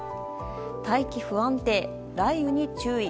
大気不安定、雷雨に注意。